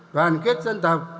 đoàn kết dân tộc